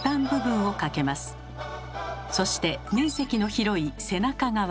そして面積の広い背中側。